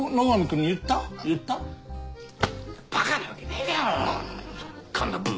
んなバカなわけねえだろ！